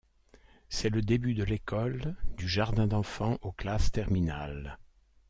C'est le début de l'école, du jardin d'enfant aux classes terminales.